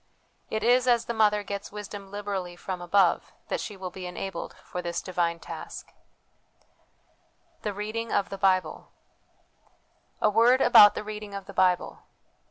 It is as the mother gets wisdom liberally from above, that she will be enabled for this divine task. The Reading of the Bible. A word about the THE WILL CONSCIENCE DIVINE LIFE 349 reading of the Bible.